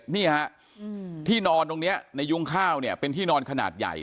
นี่ฮะที่นอนตรงนี้ในยุ้งข้าวเนี่ยเป็นที่นอนขนาดใหญ่